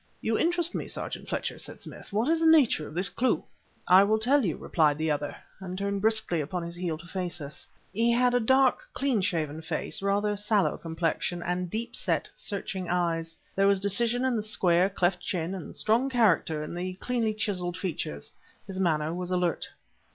"You interest me, Sergeant Fletcher," said Smith. "What is the nature of this clue?" "I will tell you," replied the other, and turned briskly upon his heel to face us. He had a dark, clean shaven face, rather sallow complexion, and deep set, searching eyes. There was decision in the square, cleft chin and strong character in the cleanly chiseled features. His manner was alert.